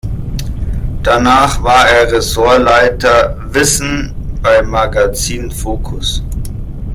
Danach war er Ressortleiter Wissen beim Magazin "Focus".